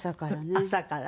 朝から。